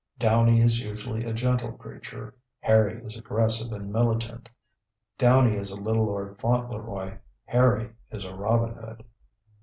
Downy is usually a gentle creature; Hairy is aggressive and militant. Downy is a little Lord Fauntleroy; Hairy is a Robin Hood.